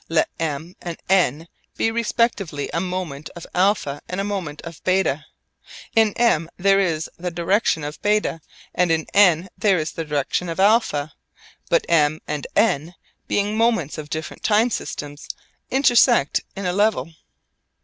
Let M and N be respectively a moment of α and a moment of β. In M there is the direction of β and in N there is the direction of α. But M and N, being moments of different time systems, intersect in a level.